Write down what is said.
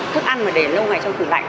thức ăn mà để lâu ngày trong thủ lạnh